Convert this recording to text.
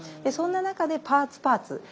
そんな中でパーツパーツ